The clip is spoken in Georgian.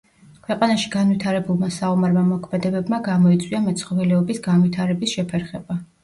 ქვეყანაში განვითარებულმა საომარმა მოქმედებებმა გამოიწვია მეცხოველეობის განვითარების შეფერხება.